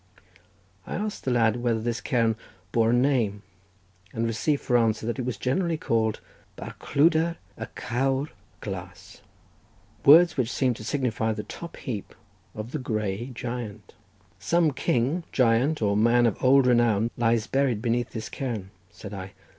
I asked the lad whether this cairn bore a name and received for answer that it was generally called Bar cluder y Cawr Glâs, words which seem to signify the top heap of the Grey Giant. "Some king, giant, or man of old renown lies buried beneath this cairn," said I.